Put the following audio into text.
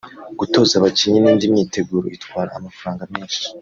gutoza abakinnyi n’indi myiteguro itwara amafaranga menshi